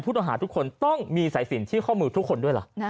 ต่อหาทุกคนต้องมีสายสินที่ข้อมือทุกคนด้วยล่ะ